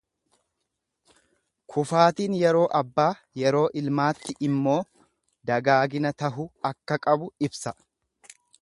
kufaatiin yeroo abbaa yeroo ilmaatti immoo dagaagina tahu akka qabu ibsa.